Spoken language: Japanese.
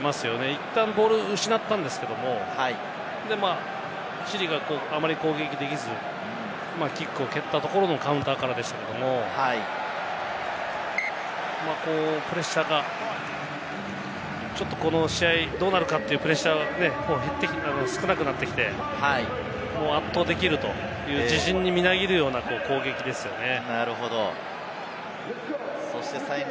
いったんボールを失ったんですけれども、チリがあんまり攻撃できず、キックを蹴ったところのカウンターからでしたけども、プレッシャーがちょっと、この試合どうなるかというプレッシャーが少なくなってきて、もう圧倒できるという自信みなぎるような攻撃ですよね。